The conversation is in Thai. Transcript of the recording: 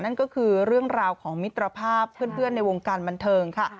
นั่นก็คือเรื่องราวของมิตรภาพเพื่อนในวงการบันเทิงค่ะ